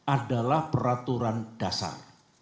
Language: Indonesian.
adalah peraturan dasar